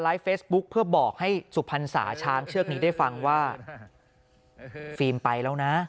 ไลฟ์เฟสบุ๊คเพื่อบอกให้สุพรรณสาช้างเชือกนี้ได้ฟังว่าไปแล้ว